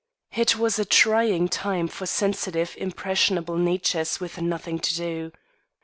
It was a trying time for sensitive, impressionable natures with nothing to do.